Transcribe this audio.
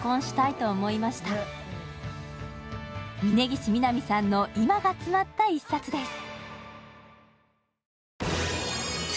峯岸みなみさんの今が詰まった一冊です。